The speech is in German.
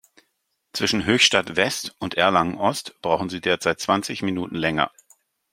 Zwischen Höchstadt-West und Erlangen-Ost brauchen Sie derzeit zwanzig Minuten länger.